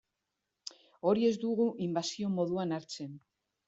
Hori ez dugu inbasio moduan hartzen.